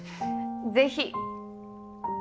ぜひ。